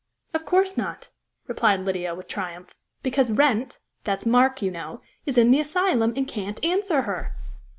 "Of course not," replied Lydia, with triumph, "because Wrent that's Mark, you know is in the asylum, and can't answer her."